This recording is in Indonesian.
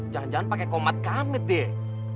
jangan jangan pake komat kami deh